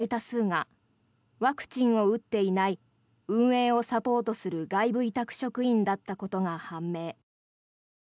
感染した１６６人の大多数がワクチンを打っていない運営をサポートする外部委託職員だったことが判明。